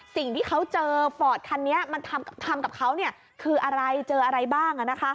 สิ่งที่เขาเจอฟอร์ดคันนี้มันทำกับเขาคืออะไรเจออะไรบ้าง